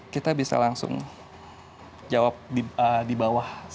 kita bisa langsung jawab di bawah